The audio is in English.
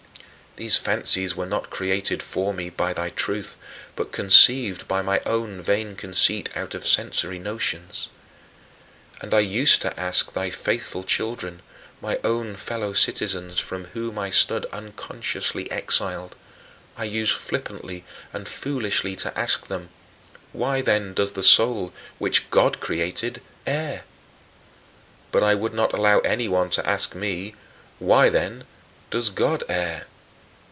These fancies were not created for me by thy truth but conceived by my own vain conceit out of sensory notions. And I used to ask thy faithful children my own fellow citizens, from whom I stood unconsciously exiled I used flippantly and foolishly to ask them, "Why, then, does the soul, which God created, err?" But I would not allow anyone to ask me, "Why, then, does God err?"